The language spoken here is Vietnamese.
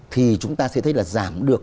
thì chúng ta sẽ thấy là giảm được